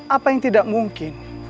apa yang tidak mungkin